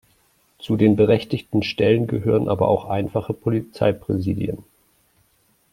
Zu den „berechtigten Stellen“ gehören aber auch einfache Polizeipräsidien.